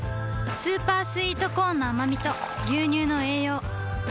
スーパースイートコーンのあまみと牛乳の栄養